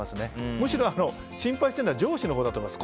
むしろ心配しているのは上司のほうだと思います。